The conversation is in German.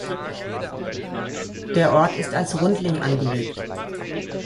Der Ort ist als Rundling angelegt.